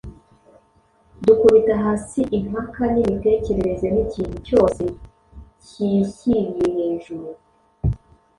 Dukubita hasi impaka n’imitekerereze n’ikintu cyose cyishyiriye hejuru